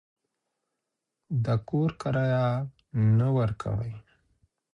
د کور کرایه نه ورکوئ.